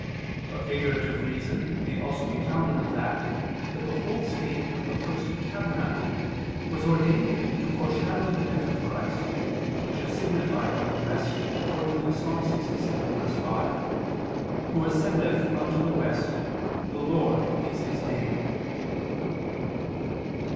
A figurative reason may also be found in the fact that the whole state of the first tabernacle was ordained to foreshadow the death of Christ, which is signified by the west, according to Ps. 67:5: "Who ascendeth unto the west; the Lord is His name."